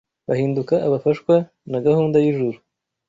Bahinduka abafashwa na gahunda y’ijuru